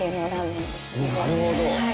なるほど。